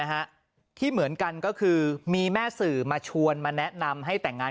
ฮะที่เหมือนกันก็คือมีแม่สื่อมาชวนมาแนะนำให้แต่งงาน